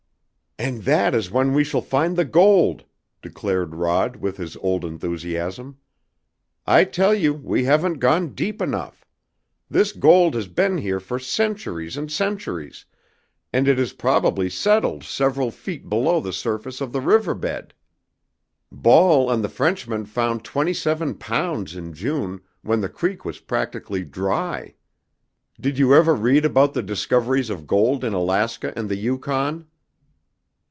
"And that is when we shall find the gold!" declared Rod with his old enthusiasm. "I tell you, we haven't gone deep enough! This gold has been here for centuries and centuries, and it has probably settled several feet below the surface of the river bed. Ball and the Frenchmen found twenty seven pounds in June, when the creek was practically dry. Did you ever read about the discoveries of gold in Alaska and the Yukon?"